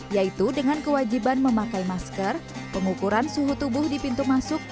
yaitu dengan kewajiban memakai masker pengukuran suhu tubuh di pintu masuk